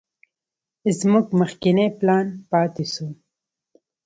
زموږ مخکينى پلان پاته سو.